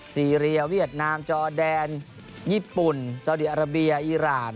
ซีเรียเวียดนามจอแดนญี่ปุ่นซาวดีอาราเบียอีราน